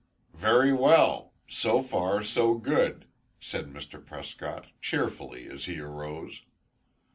"Very well. So far so good," said Mr. Prescott, cheerfully, as he arose.